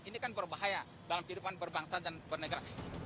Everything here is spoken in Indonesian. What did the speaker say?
ini kan berbahaya dalam kehidupan berbangsa dan bernegara